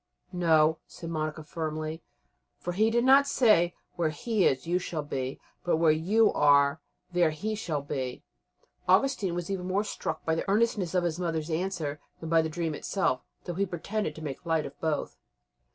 "No," said Monica firmly, "for he did not say, 'Where he is you shall be,' but, 'Where you are there he shall be.'" Augustine was even more struck by the earnestness of his mother's answer than by the dream itself, though he pretended to make light of both.